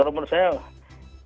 walaupun dimulai dengan